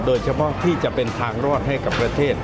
โดยเฉพาะที่จะเป็นทางรอดให้กับประเทศ